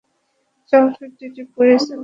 চলচ্চিত্রটি পরিচালনা ও প্রযোজনা করেছেন অজয় দেবগন।